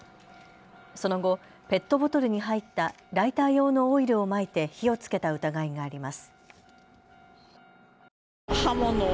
その後、ペットボトルに入ったライター用のオイルをまいて火をつけた疑いがあります。